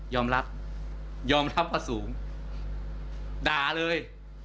ยอมรับยอมรับว่าสูงด่าเลย